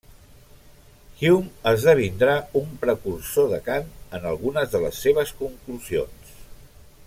Hume esdevindrà un precursor de Kant en algunes de les seves conclusions.